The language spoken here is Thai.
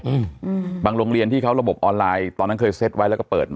อืมอืมบางโรงเรียนที่เขาระบบออนไลน์ตอนนั้นเคยเซ็ตไว้แล้วก็เปิด